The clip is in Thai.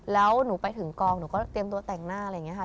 แล้วหนูไปถึงกองหนูก็เตรียมตัวแต่งหน้า